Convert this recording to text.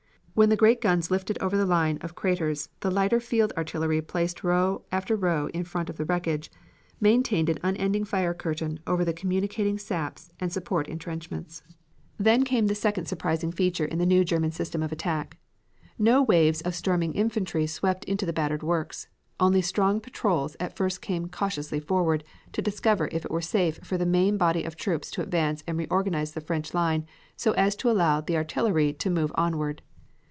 When the great guns lifted over the lines of craters, the lighter field artillery placed row after row in front of the wreckage, maintained an unending fire curtain over the communicating saps and support intrenchments. "Then came the second surprising feature in the new German system of attack. No waves of storming infantry swept into the battered works. Only strong patrols at first came cautiously forward, to discover if it were safe for the main body of troops to advance and reorganize the French line so as to allow the artillery to move onward.